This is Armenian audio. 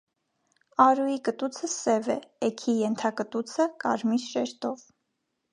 Արուի կտուցը սև է, էգի ենթակտուցը՝ կարմիր շերտով։